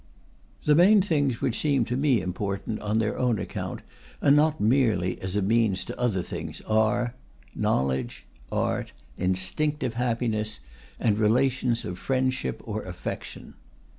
The main things which seem to me important on their own account, and not merely as means to other things, are: knowledge, art, instinctive happiness, and relations of friendship or affection.